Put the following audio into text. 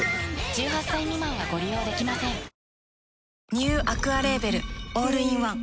ニューアクアレーベルオールインワン